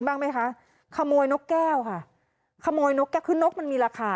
บ้างไม่คะขโมยนกแก้วค่ะคือนกมันมีละค่า